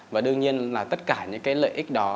và đương nhiên là tất cả những cái lợi ích đó